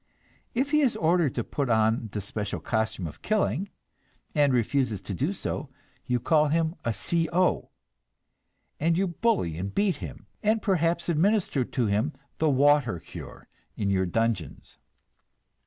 If he is ordered to put on the special costume of killing, and refuses to do so, you call him a "C. O.," and you bully and beat him, and perhaps administer to him the "water cure" in your dungeons.